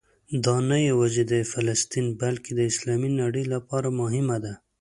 دا نه یوازې د فلسطین بلکې د اسلامي نړۍ لپاره مهمه ده.